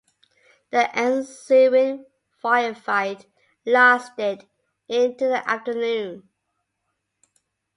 The ensuing firefight lasted into the afternoon.